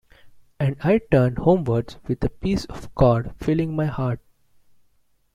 And I turned homewards with the peace of God filling my heart.